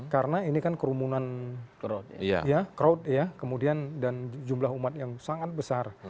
karena ini kan kerumunan crowd ya kemudian dan jumlah umat yang sangat besar